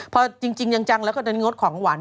พอจริงจังแล้วก็จะงดของหวาน